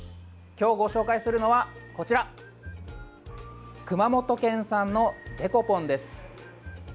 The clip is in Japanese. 今日ご紹介するのはこちら熊本県産のデコポンです。